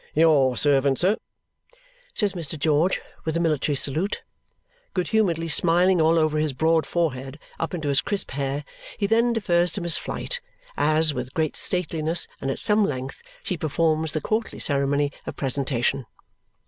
"Your servant, sir," says Mr. George with a military salute. Good humouredly smiling all over his broad forehead up into his crisp hair, he then defers to Miss Flite, as, with great stateliness, and at some length, she performs the courtly ceremony of presentation.